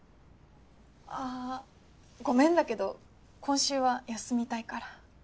あごめんだけど今週は休みたいから。